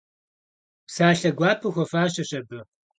Псалъэ гуапэ хуэфащэщ абы.